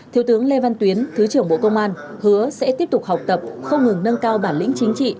thiếu tướng lê văn tuyến thứ trưởng bộ công an hứa sẽ tiếp tục học tập không ngừng nâng cao bản lĩnh chính trị